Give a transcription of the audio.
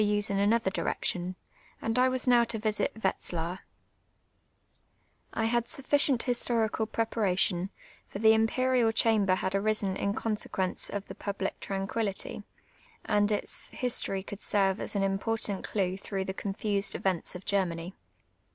se in another direction, and I was now to visit Wetzlar. I had sufficient historicid j)reparation ; for tlie Imperial Chandwr had arisen in consequence of tlie jiublic trancpiillity, and its history could serve as an important clue through the confused events of Germany.